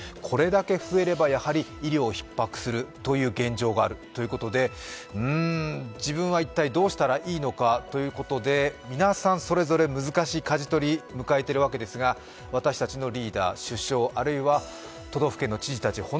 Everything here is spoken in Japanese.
これだけ増えれば医療がひっ迫する現状があるということで、自分は一体どうしたらいいのかということで、皆さんそれぞれ難しいかじ取りを迎えているわけですが、私たちのリーダー、首相あるいは都道府県の知事たち